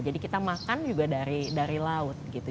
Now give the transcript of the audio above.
jadi kita makan juga dari laut gitu